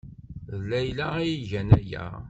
D Layla ay igan aya?